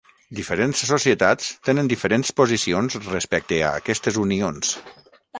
Diferents societats tenen diferents posicions respecte a aquestes unions.